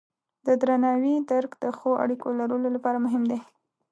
د درناوي درک د ښو اړیکو لرلو لپاره مهم دی.